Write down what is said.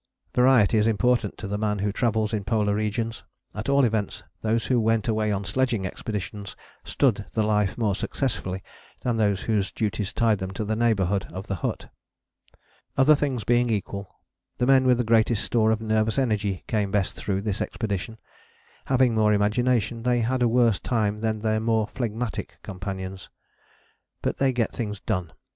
Variety is important to the man who travels in polar regions: at all events those who went away on sledging expeditions stood the life more successfully than those whose duties tied them to the neighbourhood of the hut. Other things being equal, the men with the greatest store of nervous energy came best through this expedition. Having more imagination, they have a worse time than their more phlegmatic companions; but they get things done.